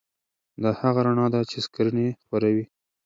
دا هغه رڼا ده چې سکرین یې خپروي.